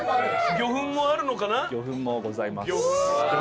魚粉もございます。